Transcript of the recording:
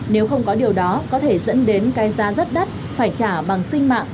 nếu không có điều đó có thể dẫn đến cái giá rất đắt phải trả bằng sinh mạng